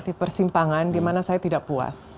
di persimpangan di mana saya tidak puas